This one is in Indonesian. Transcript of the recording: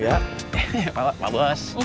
ya apa kabar